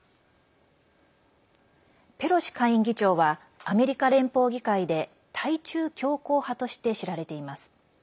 ペロシ下院議長はアメリカ連邦議会で対中強硬派として知られています。